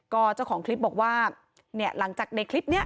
ก็เจ้าของคลิปบอกว่าเนี่ยหลังจากในคลิปนี้